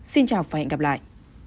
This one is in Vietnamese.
xin chào và hẹn gặp lại